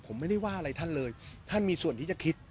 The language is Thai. ผมไม่ได้ว่าอะไรท่านเลยท่านมีส่วนที่จะคิด